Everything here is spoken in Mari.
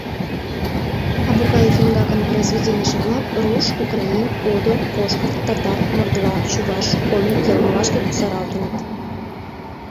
Абукаев-Эмгакын произведенийже-влак руш, украин, одо, пошкырт, татар, мордва, чуваш, коми йылмылашке кусаралтыныт.